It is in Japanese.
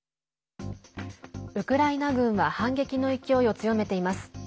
ウクライナ軍は反撃の勢いを強めています。